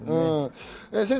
先生